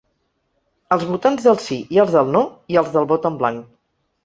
Als votants del sí i als del no, i als del vot en blanc.